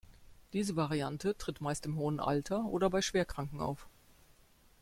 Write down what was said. Diese Variante tritt meist im hohen Alter oder bei Schwerkranken auf.